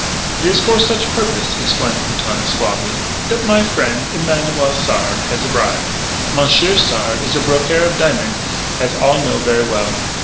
"It is for such purpose," explained Quintana suavely, "that my frien', Emanuel Sard, has arrive. Monsieur Sard is a brokaire of diamon's, as all know ver' well.